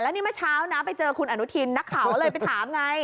นี่เมื่อเช้านะไปเจอคุณอนุทินนักข่าวเลยไปถามไง